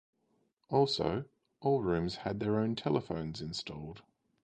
Also, all rooms had their own telephones installed.